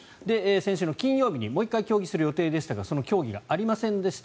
先週金曜日にもう１回協議する予定でしたがその協議がありませんでした